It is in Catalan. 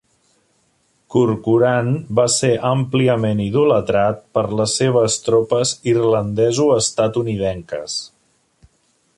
Corcoran va ser àmpliament idolatrat per les seves tropes irlandesoestatunidenques.